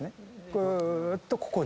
ぐーっとここに。